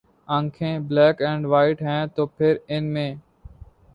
آنکھیں ’ black and white ‘ ہیں تو پھر ان میں